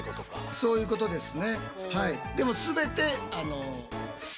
そういうことですね。